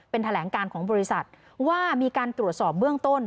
เป็นแถลงการของบริษัทว่ามีการตรวจสอบเบื้องต้น